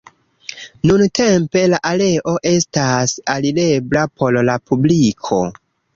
Nuntempe la areo estas alirebla por la publiko.